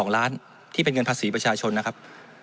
๒ล้านที่เป็นเงินภาษีประชาชนนะครับ